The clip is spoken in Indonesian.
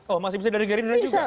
oh masih bisa dari gerindra juga